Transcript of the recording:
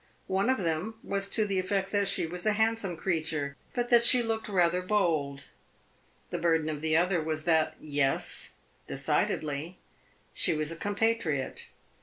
One of them was to the effect that she was a handsome creature, but that she looked rather bold; the burden of the other was that yes, decidedly she was a compatriot.